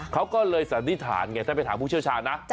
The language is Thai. เขาก็เลยสันนิษฐานไงถ้าไปถามผู้เชี่ยวชาญนะ